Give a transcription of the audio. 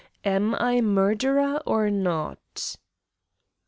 Am I murderer or not?"